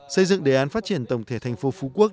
xây dựng đề án phát triển tổng thể thành phố phú quốc